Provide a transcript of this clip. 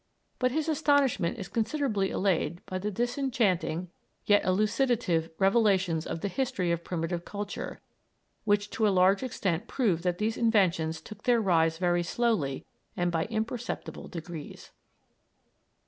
But his astonishment is considerably allayed by the disenchanting yet elucidative revelations of the history of primitive culture, which to a large extent prove that these inventions took their rise very slowly and by imperceptible degrees.